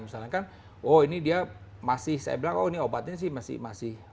misalnya kan oh ini dia masih saya bilang oh ini obatnya sih masih